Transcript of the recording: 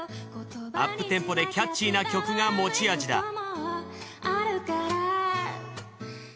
アップテンポでキャッチーな曲が持ち味だ。